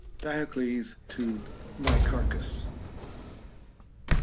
DIOCLES TO NICARCHUS.